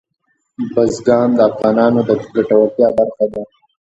بزګان د افغانانو د ګټورتیا برخه ده.